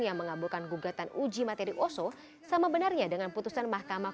yang mengabulkan gugatan uji materi oso sama benarnya dengan putusan mahkamah